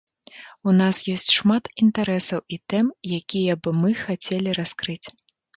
У нас ёсць шмат інтарэсаў і тэм, якія б мы хацелі раскрыць.